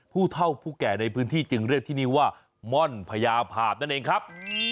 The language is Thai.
ผู้เท่าผู้แก่ในพื้นที่จึงเรียกที่นี่ว่าม่อนพญาภาพนั่นเองครับ